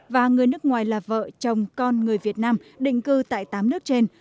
và người nước ngoài là vợ chồng con người việt nam định cư tại tám nước trên